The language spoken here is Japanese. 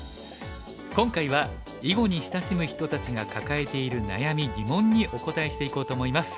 今回は囲碁に親しむ人たちが抱えている悩み疑問にお答えしていこうと思います。